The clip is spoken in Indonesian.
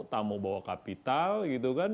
tamu bawa kapital gitu kan